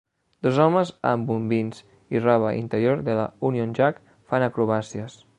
Dos homes amb bombins i roba interior de la Union Jack fan acrobàcies.